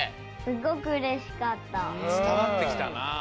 つたわってきたな。